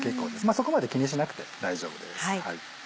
そこまで気にしなくて大丈夫です。